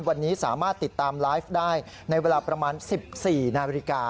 วันนี้สามารถติดตามไลฟ์ได้ในเวลาประมาณ๑๔นาฬิกา